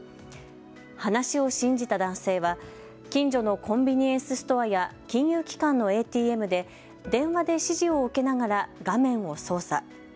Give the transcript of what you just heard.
話を信じた男性は近所のコンビニエンスストアや金融機関のＡＴＭで電話で指示を受けながら画面を操作。